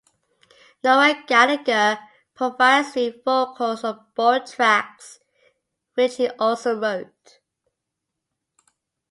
Noel Gallagher provides lead vocals on both tracks, which he also wrote.